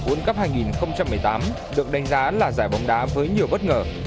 ôn cấp hai nghìn một mươi tám được đánh giá là giải bóng đá với nhiều bất ngờ